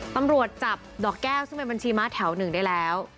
ตำรวจจับดอกแก้วซึ่งเป็นบัญชีม้าแถวหนึ่งได้แล้ว